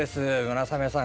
村雨さん